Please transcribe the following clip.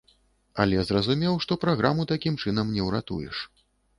Але зразумеў, што праграму такім чынам не ўратуеш.